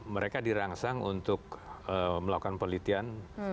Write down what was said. mereka dirangsang untuk melakukan penelitian